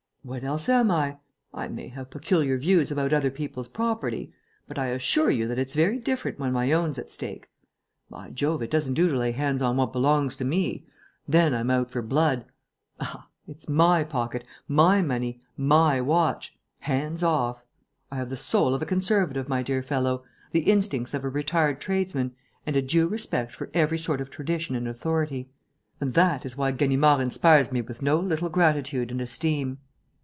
"What else am I? I may have peculiar views about other people's property; but I assure you that it's very different when my own's at stake. By Jove, it doesn't do to lay hands on what belongs to me! Then I'm out for blood! Aha! It's my pocket, my money, my watch ... hands off! I have the soul of a conservative, my dear fellow, the instincts of a retired tradesman and a due respect for every sort of tradition and authority. And that is why Ganimard inspires me with no little gratitude and esteem."